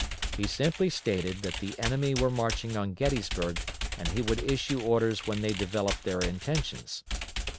He simply stated that the enemy were marching on Gettysburg, and he would issue orders when they developed their intentions.